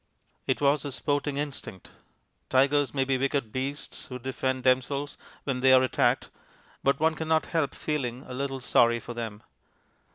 It was the sporting instinct. Tigers may be wicked beasts who defend themselves when they are attacked, but one cannot help feeling a little sorry for them.